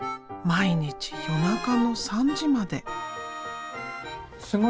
毎日夜中の３時まで。